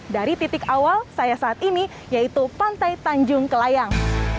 dari titik awal saya saat ini yaitu pantai tanjung kelayang